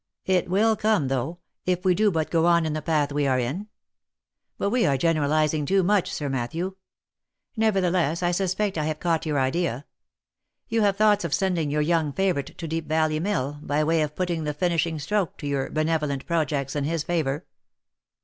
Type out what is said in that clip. It will come though, if we do but go on in the path we are in. But we are generalizing too much, Sir Matthew ; nevertheless I suspect I have caught your idea. You have thoughts of sending your young favourite to Deep Valley mill, by way of putting the finishing stroke to your benevolent projects in his favour?"